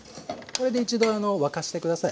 これで一度沸かして下さい。